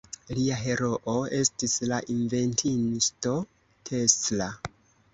Lia heroo estis la inventisto Tesla.